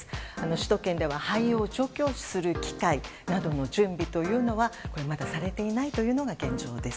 首都圏では灰を除去する機械の準備というのはまだされていないのが現状です。